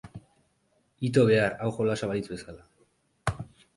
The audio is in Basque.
Ito behar hau jolasa balitz bezala.